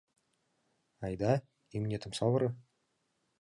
Айда, имнетым савыре!